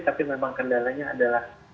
tapi memang kendalanya adalah